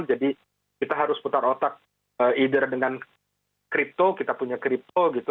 jadi kita harus putar otak either dengan kripto kita punya kripto gitu